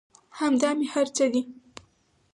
همدا مې هر څه دى.